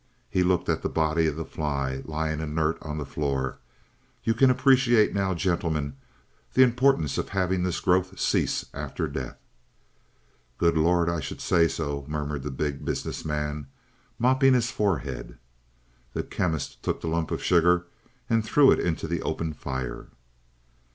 He looked at the body of the fly, lying inert on the floor. "You can appreciate now, gentlemen, the importance of having this growth cease after death." "Good Lord, I should say so!" murmured the Big Business Man, mopping his forehead. The Chemist took the lump of sugar and threw it into the open fire.